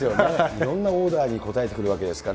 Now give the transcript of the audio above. いろんなオーダーに応えてくれるわけですから。